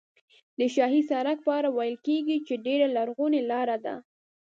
د شاهي سړک په اړه ویل کېږي چې ډېره لرغونې لاره ده.